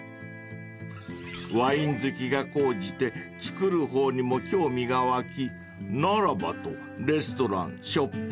［ワイン好きが高じて造る方にも興味が湧きならばとレストランショップ